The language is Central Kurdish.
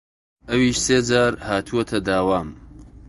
ئەویش سێ جار هاتووەتە داوام